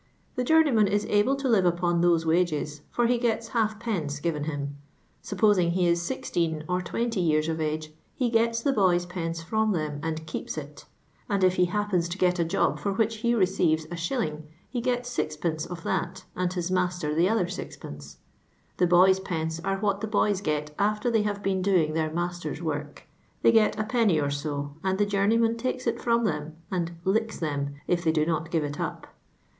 The journeyman is able to live upon those wjigcs, for he gets halfpence given him : supposing he is IC or 20 years of age, fie gets the boys' pence from them and keeps it ; and if he happens to get a job for which he receives a Ix.., he gets 6c/. of that, and hit master the other 6ti. The boys* pence are what the boys get after they have been doing their master's work; they get a 1</. or so, and the journeyman takes it from them, and * licks' them if they do not give it up."